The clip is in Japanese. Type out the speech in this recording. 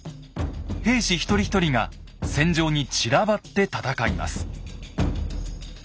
兵士一人一人が戦場に散らばって戦います。